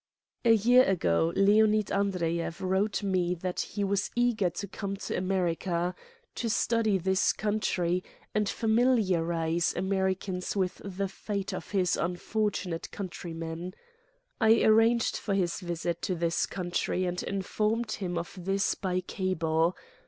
A year ago Leonid Andreyev wrote me that he was eager to come to America, to study this coun try and familiarize Americans with the fate of his unfortunate countrymen. I arranged for his visit to this country and informed him of this by cable.